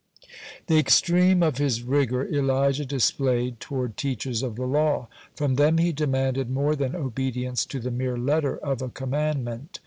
(64) The extreme of his rigor Elijah displayed toward teachers of the law. From them he demanded more than obedience to the mere letter of a commandment.